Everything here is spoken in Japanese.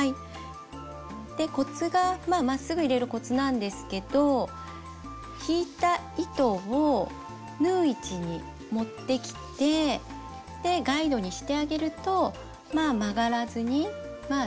でコツがまっすぐ入れるコツなんですけど引いた糸を縫う位置に持ってきてでガイドにしてあげるとまあ曲がらずにまあ曲がりにくいですかね。